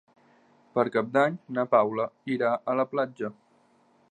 Per Cap d'Any na Paula irà a la platja.